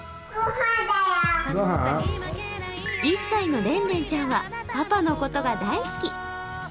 １歳のレンレンちゃんはパパのことが大好き。